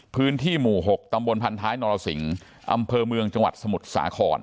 พื้นที่หมู่๖ตำบลพันท้ายนรสิงอำเภอเมืองจังหวัดสมุทรสาคร